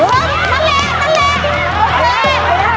โอเค